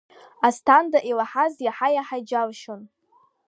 Асҭанда илаҳаз иаҳа-иаҳа иџьалшьон.